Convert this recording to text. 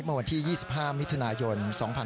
เมื่อวันที่๒๕มิถุนายน๒๕๔๓